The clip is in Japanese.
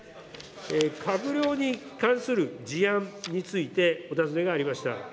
閣僚に関する事案についてお尋ねがありました。